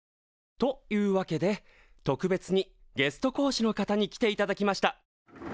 というわけで特別にゲスト講師の方に来ていただきました。